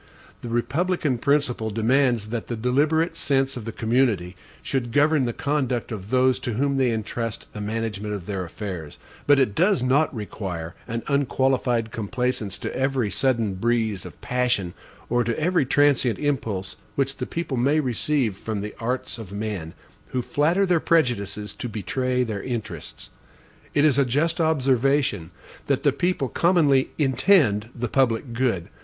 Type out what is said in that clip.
The republican principle demands that the deliberate sense of the community should govern the conduct of those to whom they intrust the management of their affairs; but it does not require an unqualified complaisance to every sudden breeze of passion, or to every transient impulse which the people may receive from the arts of men, who flatter their prejudices to betray their interests. It is a just observation, that the people commonly INTEND the PUBLIC GOOD.